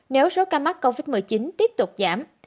nếu số ca mắc covid một mươi chín tiếp tục giảm